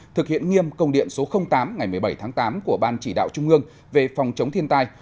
thực hiện nghiêm công điện số tám ngày một mươi bảy tháng tám của ban chỉ đạo trung ương về phòng chống thiên tai